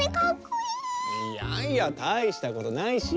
いやいやたいしたことないし！